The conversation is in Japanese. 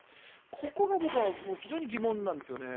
ここが僕は非常に疑問なんですよね。